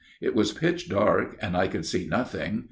It was pitch dark and I could see nothing.